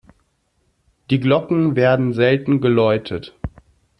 Die Glocken werden selten geläutet.